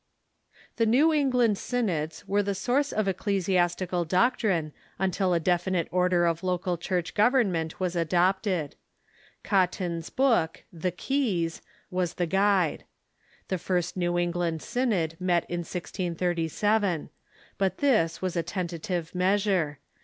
The New England synods were the source of ecclesiastical doctrine until a definite order of local church government was adopted. Cotton's book, "The Keys," was the guide. The first New England Synod met in 1637. But this was a tenta tive measure.